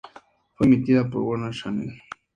Fue emitida por Warner Channel.